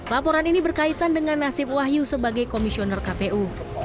laporan ini berkaitan dengan nasib wahyu sebagai komisioner kpu